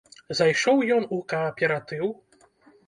Зайшоў ён у кааператыў.